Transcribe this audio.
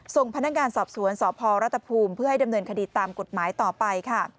ส่งพนักงานสอบสวนสพรัฐภูมิเพื่อให้ดำเนินคดีตามกฎหมายต่อไปค่ะ